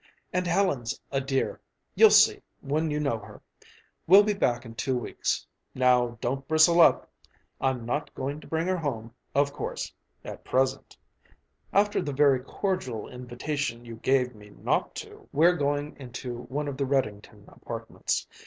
And Helen's a dear. You'll see, when you know her. We'll be back in two weeks. Now don't bristle up. I'm not going to bring her home, of course (at present), after the very cordial invitation you gave me not to! We're going into one of the Reddington apartments.